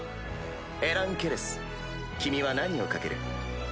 エラン・ケレス君は何を賭ける？